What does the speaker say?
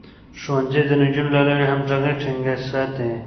ښوونځی د نجونو له لارې همغږي ټينګه ساتي.